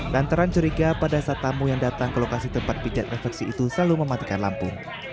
lantaran curiga pada saat tamu yang datang ke lokasi tempat pijat infeksi itu selalu mematikan lampu